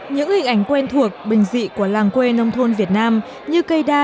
những hình ảnh quen thuộc bình dị của làng quê nông thôn việt nam như cây đa